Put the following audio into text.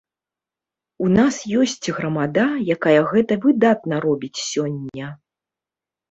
У нас ёсць грамада, якая гэта выдатна робіць сёння.